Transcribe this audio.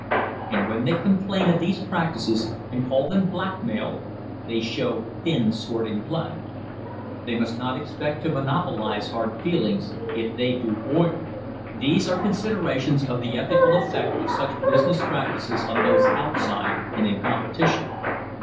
And when they complain of these practices and call them black mail, they show thin sporting blood. They must not expect to monopolise hard dealings, if they do oil. These are considerations of the ethical effect of such busi ness practices on those outside and in competition.